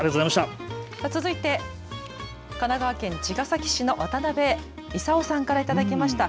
続いて神奈川県茅ヶ崎市の渡辺勲さんから頂きました。